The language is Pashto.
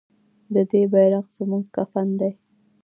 د دې بیرغ زموږ کفن دی